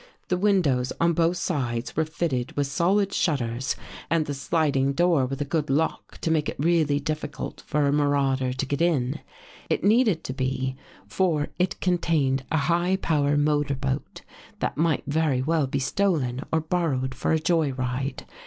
The windows on both sides were fitted with solid shutters and the sliding 167 THE GHOST GIRL door with a good lock to make it really difficult for a marauder to get in. It needed to be, for it con tained a high power motor boat, that might very well be stolen or borrowed for a joy ride.